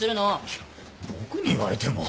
いや僕に言われても。